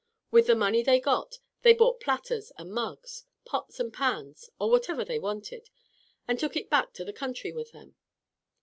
With the money they got they bought platters and mugs, pots and pans, or whatever they wanted, and took it back to the country with them.